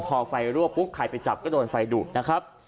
พอไฟรั่วปุ๊บใครไปจับก็โดนไฟดูดนะครับ